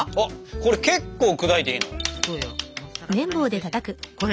これ結構砕いていいの？